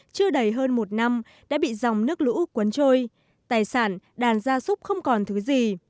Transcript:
chưa đầy hơn một năm đã bị dòng nước lũ cuốn trôi tài sản đàn gia súc không còn thứ gì